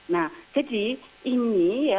nah jadi ini ya